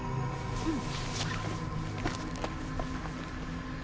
うん。